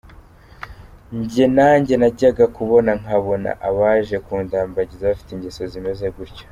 Jye nanjye najyaga kubona nkabona abaje kundambagiza bafite ingeso zimeze gutyo.